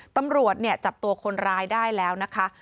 ตำรวจจับตัวคนร้ายได้แล้วนะคะ